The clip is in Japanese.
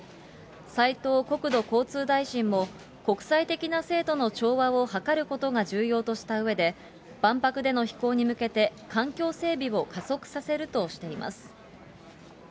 斉藤国土交通大臣も、国際的な制度の調和を図ることが重要としたうえで、万博での飛行に向けて、環境整備を加速させるとしています。